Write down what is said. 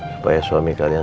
supaya suami kalian